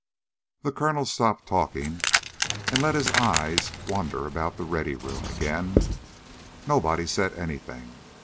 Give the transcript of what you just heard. The colonel stopped talking and let his eyes wander about the Ready Room again. Nobody said anything.